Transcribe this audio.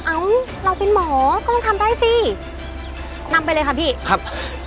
เอ้าเราเป็นหมอก็ต้องทำได้สินำไปเลยค่ะพี่ครับ